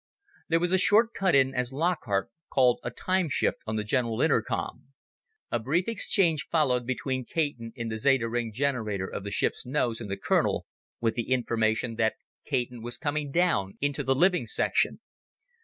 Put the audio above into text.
There was a short cut in as Lockhart called a time shift on the general intercom. A brief exchange followed between Caton in the Zeta ring chamber of the ship's nose and the colonel, with the information that Caton was coming down into the living section.